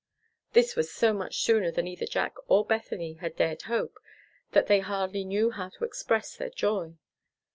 This was so much sooner than either Jack or Bethany had dared hope, that they hardly knew how to express their joy.